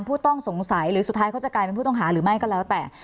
ผู้ต้องสงสัยหรือสุดท้ายเขาจะกลายเป็นผู้ต้องหาหรือไม่ก็แล้วแต่